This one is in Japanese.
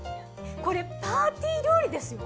これパーティー料理ですよ。